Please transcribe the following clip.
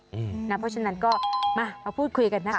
เพราะฉะนั้นก็มาพูดคุยกันนะคะ